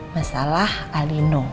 masalah al dido